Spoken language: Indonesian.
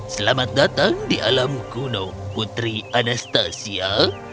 selamat datang di alam kuno putri anastasia